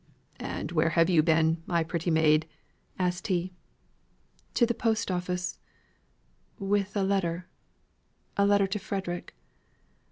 "And where have you been, my pretty maid?" asked he. "To the post office with a letter; a letter to Frederick.